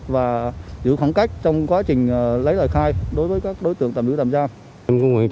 và giữ khoảng cách trong quá trình lấy lời khai đối với các đối tượng tạm giữ tạm giam